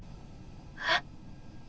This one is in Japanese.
えっ？